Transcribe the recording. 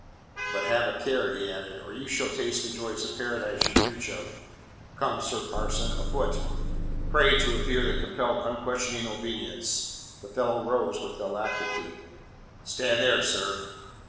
"But have a care," he added, "or you shall taste the joys of the Paradise you preach of. Come, sir parson; afoot!" A prey to a fear that compelled unquestioning obedience, the fellow rose with alacrity. "Stand there, sir.